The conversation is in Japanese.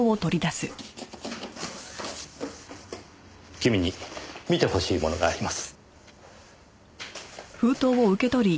君に見てほしいものがあります。